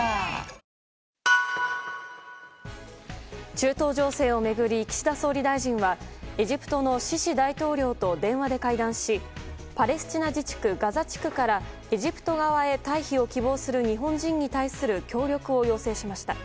中東情勢を巡り岸田総理大臣はエジプトのシシ大統領と電話で会談しパレスチナ自治区ガザ地区からエジプト側へ退避を希望する日本人に対する協力を要請しました。